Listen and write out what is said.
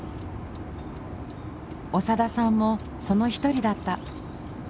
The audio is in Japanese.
長田さんもその一人だった。